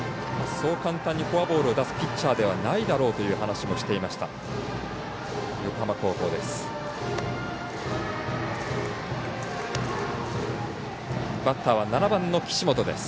そう簡単にフォアボールを出すピッチャーではないだろうという話もしていました横浜高校です。